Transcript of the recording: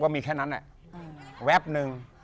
มีแค่นั้นแวะหนึ่ง